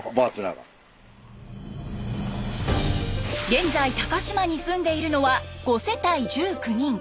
現在高島に住んでいるのは５世帯１９人。